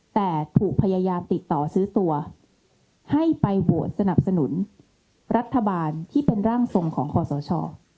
แต่ถูกพยายามติดต่อซื้อตัวให้ไปโหวตสนับสนุนรัฐบาลที่เป็นร่างทรงของคอสช